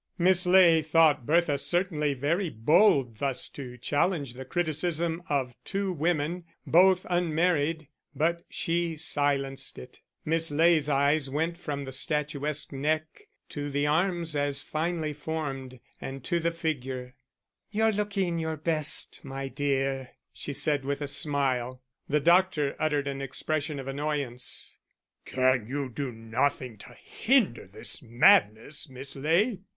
Miss Ley thought Bertha certainly very bold thus to challenge the criticism of two women, both unmarried; but she silenced it. Miss Ley's eyes went from the statuesque neck to the arms as finely formed, and to the figure. "You're looking your best, my dear," she said, with a smile. The doctor uttered an expression of annoyance: "Can you do nothing to hinder this madness, Miss Ley?"